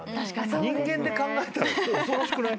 人間で考えたら恐ろしくない？